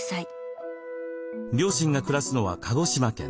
両親が暮らすのは鹿児島県。